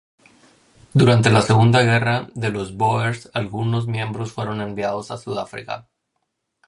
Durante la Segunda Guerra de los Bóers algunos miembros fueron enviados a Sudáfrica.